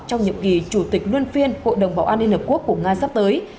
trong nhiệm kỳ chủ tịch luân phiên hội đồng bảo an liên hợp quốc của nga sắp tới